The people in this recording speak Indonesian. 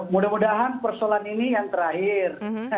mudah mudahan persoalan ini yang terakhir